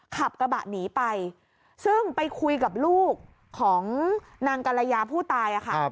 ขับกระบะหนีไปซึ่งไปคุยกับลูกของนางกรยาผู้ตายค่ะ